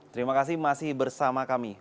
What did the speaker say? terima kasih masih bersama kami